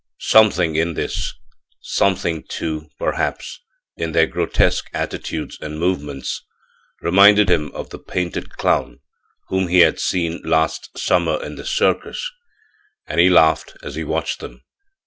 Something in this something too, perhaps, in their grotesque attitudes and movements reminded him of the painted clown whom he had seen last summer in the circus, and he laughed as he watched them.